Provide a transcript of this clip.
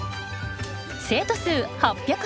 生徒数８８０。